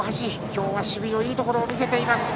今日は守備でいいところを見せています。